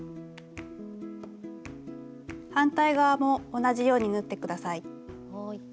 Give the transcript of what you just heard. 反対側も同じように縫って下さい。